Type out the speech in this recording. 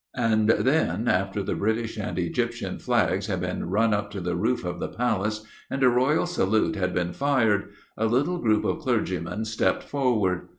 And then, after the British and Egyptian flags had been run up to the roof of the Palace, and a Royal Salute had been fired, a little group of clergymen stepped forward.